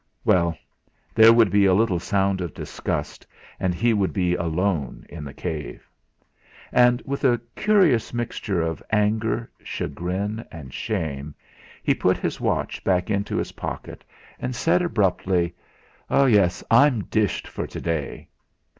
Well, there would be a little sound of disgust, and he would be alone in the cave. And with a curious mixture of anger, chagrin, and shame, he put his watch back into his pocket and said abruptly: "Yes; I'm dished for to day."